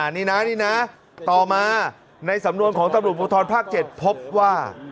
นี่นะนี่นะต่อมาในสำนวนของตำรวจภูทรภาค๗พบว่า